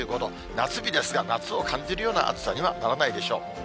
夏日ですが、夏を感じるような暑さにはならないでしょう。